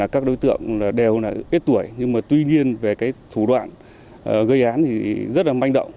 các đối tượng đều là ít tuổi nhưng mà tuy nhiên về cái thủ đoạn gây án thì rất là manh động